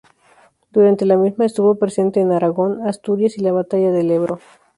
Durante la misma, estuvo presente en Aragón, Asturias y la batalla del Ebro.